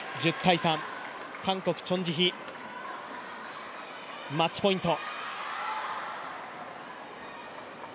韓国、チョン・ジヒ、マッチポイント。